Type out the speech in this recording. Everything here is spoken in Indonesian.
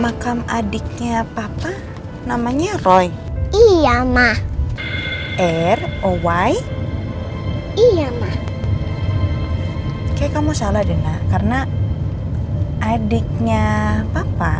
makam adiknya papa namanya roy iya mah er owa iya mah oke kamu salah dengar karena adiknya papa